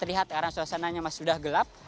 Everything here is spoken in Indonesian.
terlihat karena suasananya sudah gelap